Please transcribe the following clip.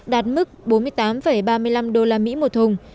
đạt mức bốn mươi tám ba mươi năm đô la mỹ một thùng